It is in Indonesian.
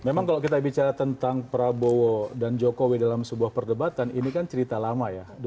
memang kalau kita bicara tentang prabowo dan jokowi dalam sebuah perdebatan ini kan cerita lama ya